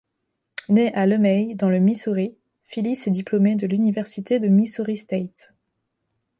Née à Lemay, dans le Missouri, Phyllis est diplômée de l'Université de Missouri-St.